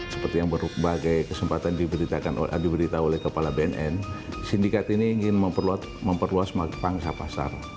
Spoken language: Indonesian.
seperti yang berbagai kesempatan diberitahu oleh kepala bnn sindikat ini ingin memperluas pangsa pasar